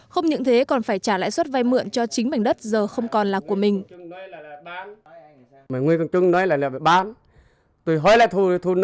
không những thế còn phải trả lãi suất vay mượn cho chính mảnh đất giờ không còn là của mình